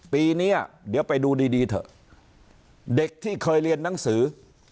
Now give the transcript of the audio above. ปีนี้เดี๋ยวไปดูดีดีเถอะเด็กที่เคยเรียนหนังสือ